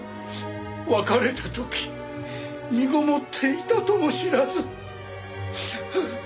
別れた時身ごもっていたとも知らず。